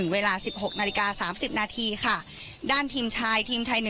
เวลา๑๖นาฬิกา๓๐นาทีค่ะด้านทีมชายทีมไทย๑